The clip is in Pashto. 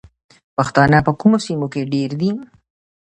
پښتانه په کومو سیمو کې ډیر دي؟